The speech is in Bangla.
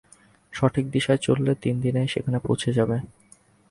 সঠিক দিশায় চললে, তিনদিনেই সেখানে পৌঁছে যাব।